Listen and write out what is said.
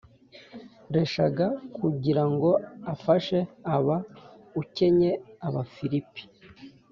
reshaga kugira ngo afashe abaukennye Abafilipi